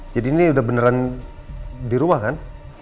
jadi ini udah beneran di rumah kan